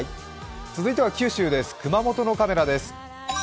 続いては九州、熊本のカメラです。